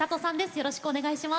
よろしくお願いします。